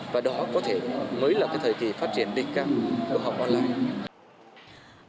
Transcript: và đó có thể mới là cái thời kỳ phát triển biên cấp của học online